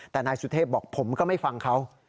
แต่นายสุเทพบอกผมก็ไม่ฟังเขา